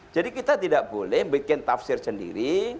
kita tidak boleh bikin tafsir sendiri